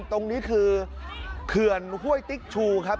ตรงนี้คือเขื่อนห้วยติ๊กชูครับ